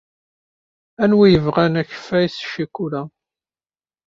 Anwi ay yebɣan akeffay s ccikula?